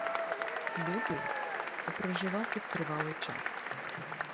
Людвіґ проживав тут тривалий час.